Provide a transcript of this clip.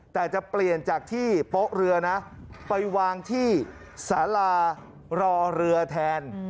แต่จะเปลี่ยนจากที่โป๊ะเรือนะไปวางที่สารารอเรือแทน